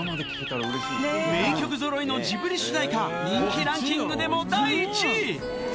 名曲ぞろいのジブリ主題歌人気ランキングでも第１位。